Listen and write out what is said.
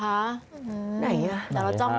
ไหนละ